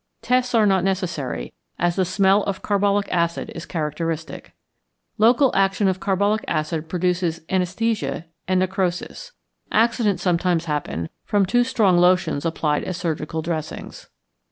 Tests are not necessary, as the smell of carbolic acid is characteristic. Local action of carbolic acid produces anæsthesia and necrosis. Accidents sometimes happen from too strong lotions applied as surgical dressings.